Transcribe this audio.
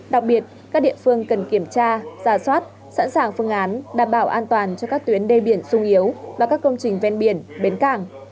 đặc biệt các địa phương cần kiểm tra giả soát sẵn sàng phương án đảm bảo an toàn cho các tuyến đê biển sung yếu và các công trình ven biển bến cảng